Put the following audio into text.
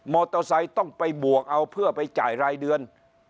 โตไซค์ต้องไปบวกเอาเพื่อไปจ่ายรายเดือน